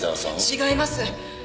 違います。